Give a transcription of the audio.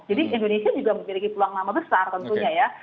jadi indonesia juga memiliki peluang nama besar tentunya ya